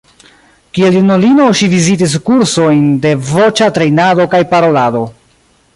Kiel junulino ŝi vizitis kursojn de voĉa trejnado kaj parolado.